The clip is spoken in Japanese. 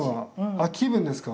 あっ気分ですか？